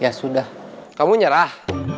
ya sudah kamu nyerah